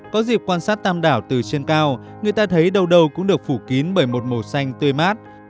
có dịp quan sát tam đảo từ trên cao người ta thấy đầu đầu cũng được phủ kín bởi một màu xanh tươi mát